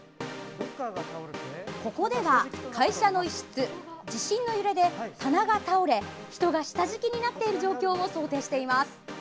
ここでは会社の一室地震の揺れで棚が倒れ人が下敷きになっている状況を想定しています。